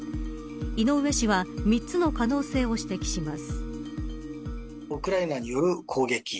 井上氏は３つの可能性を指摘します。